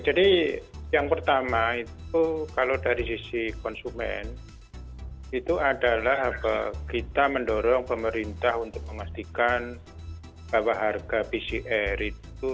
jadi yang pertama itu kalau dari sisi konsumen itu adalah kita mendorong pemerintah untuk mengastikan bahwa harga pcr itu